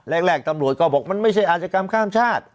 แรกตำรวจก็บอกมันไม่ใช่อาชกรรมข้ามชาติ